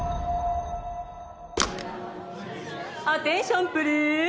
アテンションプリーズ！